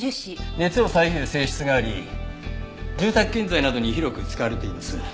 熱を遮る性質があり住宅建材などに広く使われています。